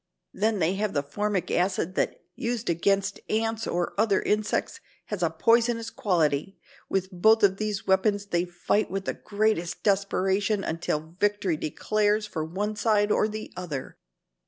Then they have the formic acid that, used against ants or other insects, has a poisonous quality. With both of these weapons they fight with the greatest desperation until victory declares for one side or the other.